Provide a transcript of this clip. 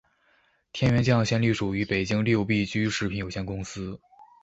天源酱园现隶属于北京六必居食品有限公司。